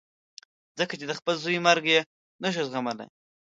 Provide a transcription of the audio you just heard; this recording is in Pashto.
ځکه چې د خپل زوی مرګ یې نه شو زغملای.